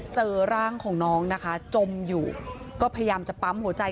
เจอร่างของน้องนะคะจมอยู่ก็พยายามจะปั๊มหัวใจ